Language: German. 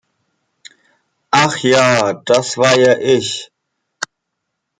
Ach ja, das war ja ich!